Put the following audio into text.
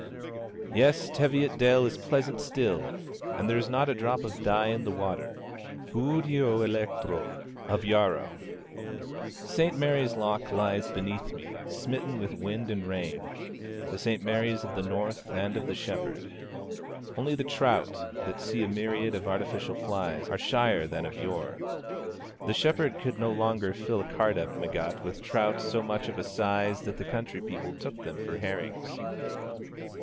Yes, Teviotdale is pleasant still, and there is not a drop of dye in the water, purior electro, of Yarrow. St. Mary's Loch lies beneath me, smitten with wind and rain the St. Mary's of North and of the Shepherd. Only the trout, that see a myriad of artificial flies, are shyer than of yore. The Shepherd could no longer fill a cart up Meggat with trout so much of a size that the country people took them for herrings.